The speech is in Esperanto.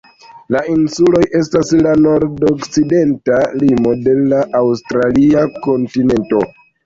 La insuloj estas la nordokcidenta limo de la aŭstralia kontinento.